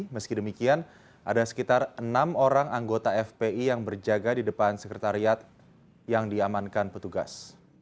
meski demikian ada sekitar enam orang anggota fpi yang berjaga di depan sekretariat yang diamankan petugas